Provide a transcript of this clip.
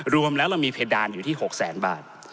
รวมแล้วเรามีเพดานอยู่ที่๖แสนบาท